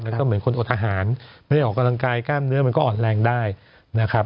แล้วก็เหมือนคนอดอาหารไม่ได้ออกกำลังกายกล้ามเนื้อมันก็อ่อนแรงได้นะครับ